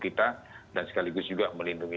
kita dan sekaligus juga melindungi